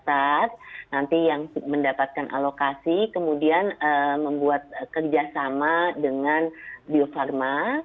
masyarakat nanti yang mendapatkan alokasi kemudian membuat kerjasama dengan bio farma